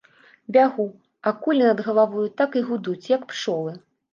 Бягу, а кулі над галавою так і гудуць, як пчолы.